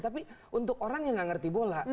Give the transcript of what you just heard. tapi untuk orang yang nggak ngerti bola